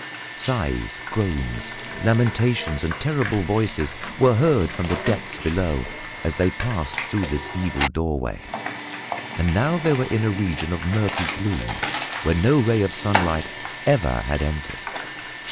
Sighs, groans, lamentations and terrible voices were heard from the depths below as they passed through this evil doorway, and now they were in a region of murky gloom, where no ray of sunlight ever had entered.